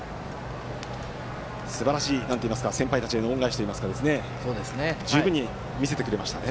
すばらしい先輩たちへの恩返しといいますか十分に見せてくれましたね。